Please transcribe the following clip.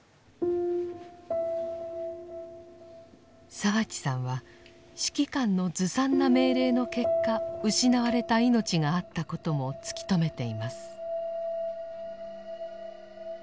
澤地さんは指揮官のずさんな命令の結果失われた命があったことも突き止めています。